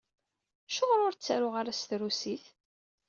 Acuɣer ur ttaruɣ ara s trusit?